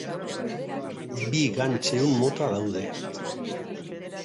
Bi gantz ehun mota daude.